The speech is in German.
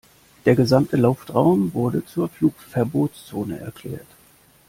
Der gesamte Luftraum wurde zur Flugverbotszone erklärt.